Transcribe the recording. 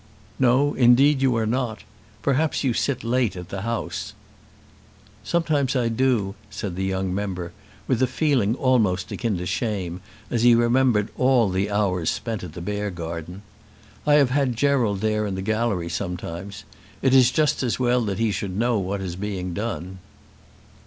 "No; indeed you are not. Perhaps you sit late at the House." "Sometimes I do," said the young member, with a feeling almost akin to shame as he remembered all the hours spent at the Beargarden. "I have had Gerald there in the Gallery sometimes. It is just as well he should know what is being done."